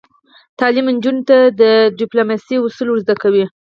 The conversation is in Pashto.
تعلیم نجونو ته د ډیپلوماسۍ اصول ور زده کوي.